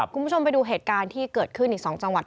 คุณผู้ชมไปดูเหตุการณ์ที่เกิดขึ้นอีก๒จังหวัด